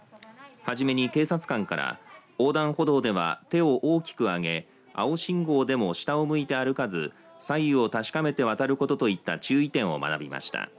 初めに警察官から横断歩道では手を大きく上げ青信号でも下を向いて歩かず左右を確かめて渡ることといった注意点を学びました。